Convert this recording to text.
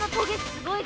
すごい！